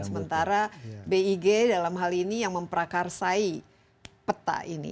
sementara big dalam hal ini yang memprakarsai peta ini